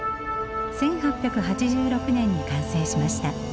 １８８６年に完成しました。